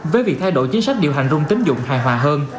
với việc thay đổi chính sách điều hành rung tính dụng hài hòa hơn